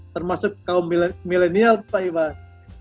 termasuk kaum milenial pak iwan